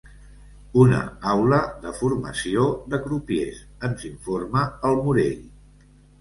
Una aula de formació de crupiers —ens informa el Morell.